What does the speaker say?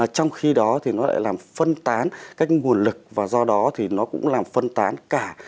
trong khi đó thì nó lại làm phân tán các nguồn lực và do đó thì nó cũng làm phân tán cả